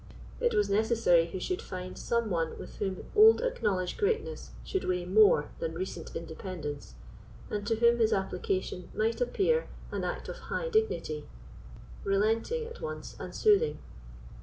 It was necessary he should find some one with whom old acknowledged greatness should weigh more than recent independence, and to whom his application might appear an act of high dignity, relenting at once and soothing.